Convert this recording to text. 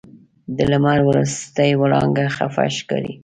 د لمر وروستۍ وړانګه خفه ښکاري